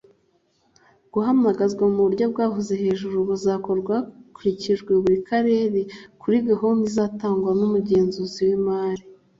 Guhamagazwa mu buryo bwavuzwe haruguru buzakorwa bakurikije buri karere kuri gahunda izatangwa n’umugenzuzi w’Imari.